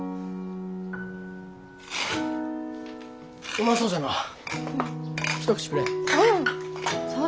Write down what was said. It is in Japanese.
うまそうじゃのう。